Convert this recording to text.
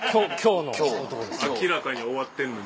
明らかに終わってんのに。